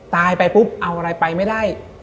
ตายไปปุ๊บเอาอะไรไปไม่ได้